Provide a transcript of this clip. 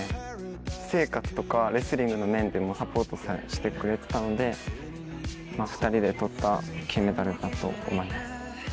私生活とかレスリングの面でもサポートしてくれてたので２人で取った金メダルだと思います。